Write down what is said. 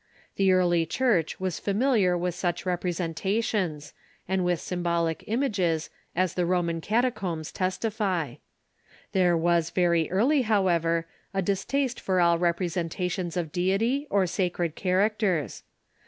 The early Church was familiar with such representa tions, and with symbolic images, as the Roman Cata combs testify. There was very early, however, a distaste for all representations of deity or sacred characters.